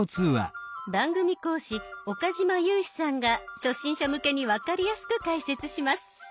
番組講師岡嶋裕史さんが初心者向けに分かりやすく解説します。